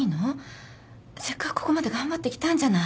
せっかくここまで頑張ってきたんじゃない。